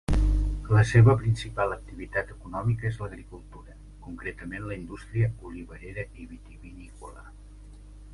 La seva principal activitat econòmica és l'agricultura, concretament la indústria olivarera i vitivinícola.